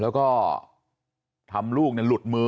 แล้วก็ทำลูกเนี่ยหลุดมือ